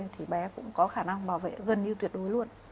thì bé cũng có khả năng bảo vệ gần như tuyệt đối luôn